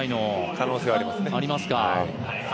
可能性はありますね。